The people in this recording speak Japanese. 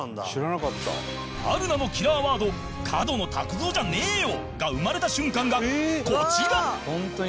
春菜のキラーワード「角野卓造じゃねーよ！」が生まれた瞬間がこちら